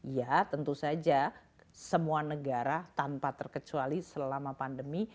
ya tentu saja semua negara tanpa terkecuali selama pandemi